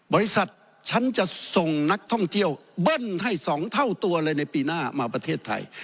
บริษัทฉันจะส่งนักท่องเที่ยวเบิ้ลให้๒เท่าตัวเลยในปีหน้ามาประเทศไทย